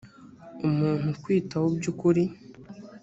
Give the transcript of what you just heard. umuntu ukwitaho by’ukuri